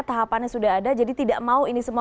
tahapannya sudah ada jadi tidak mau ini semua